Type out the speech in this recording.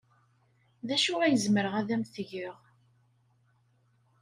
D acu ay zemreɣ ad am-t-geɣ?